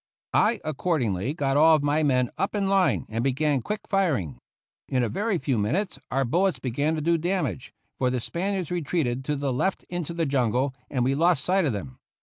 I accordingly got all of my men up in line and began quick firing. In a very few minutes our bullets began to do damage, for the Spaniards retreated to the left into the jungle, and we lost sight of them.